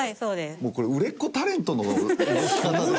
もうこれ売れっ子タレントの動き方ですよ。